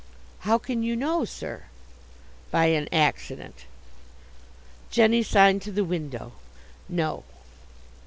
"How can you know, sir?" "By an accident." "Jenny signed to the window." "No."